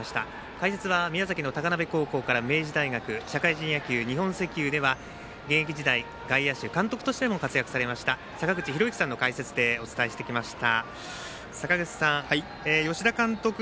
解説は宮崎の高鍋高校から明治大学社会人野球、日本石油では現役時代監督としても活躍されました、坂口裕之さんの解説でお届けしてきました。